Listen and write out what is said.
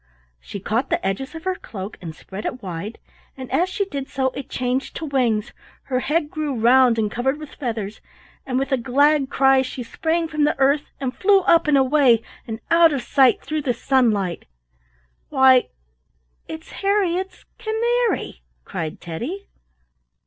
She caught the edges of her cloak and spread it wide, and as she did so it changed to wings, her head grew round and covered with feathers, and with a glad cry she sprang from the earth and flew up and away and out of sight through the sunlight. "Why, it's Harriett's canary!" cried Teddy.